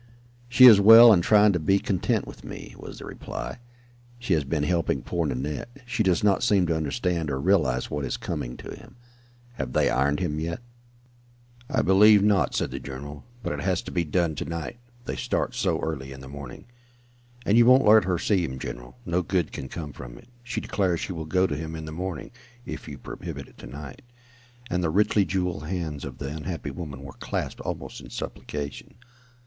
"She is well and trying to be content with me," was the reply. "She has been helping poor Nanette. She does not seem to understand or realize what is coming to him. Have they ironed him yet?" [Illustration: "HUSH! SHE'S COMING" SHE WAS THERE.] "I believe not," said the general. "But it has to be done to night. They start so early in the morning." "And you won't let her see him, general. No good can come from it. She declares she will go to him in the morning, if you prohibit it to night," and the richly jewelled hands of the unhappy woman were clasped almost in supplication.